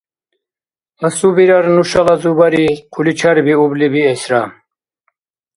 Асубирар, нушала Зубари хъули чарбиубли биэсра.